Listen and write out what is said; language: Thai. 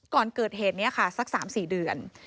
ก่อนเกิดเหตุนี้ค่ะสัก๓๔เดือน